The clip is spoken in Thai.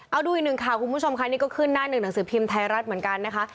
เอาดูอีกหนึ่งข่าวคุณผู้ชมค่ะนี่ก็ขึ้นหน้าหนึ่งหนังสือพิมพ์ไทยรัฐเหมือนกันนะคะ